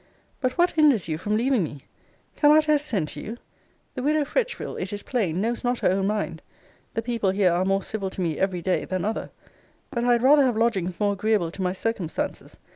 But what hinders you from leaving me? Cannot I send to you? The widow Fretchville, it is plain, knows not her own mind: the people here are more civil to me every day than other: but I had rather have lodgings more agreeable to my circumstances.